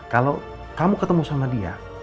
kalau kamu ketemu sama dia